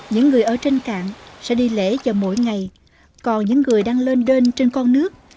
những người ở trên cảng sẽ đi lễ vào mỗi ngày còn những người đang lên đơn trên con nước